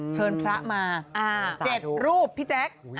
เชิญพระมา๗รูปพี่แจ๊ค